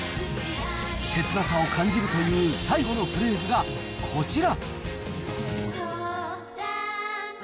切なさを感じるという最後のフレーズがこちら。